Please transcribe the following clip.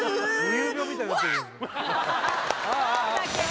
夢遊病みたいになってるワオ！